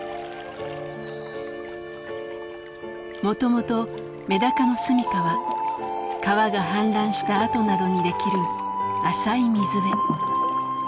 もともとメダカの住みかは川が氾濫したあとなどに出来る浅い水辺。